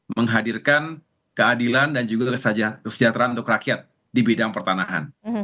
menghadirkan keadilan dan juga kesejahteraan untuk rakyat di bidang pertanahan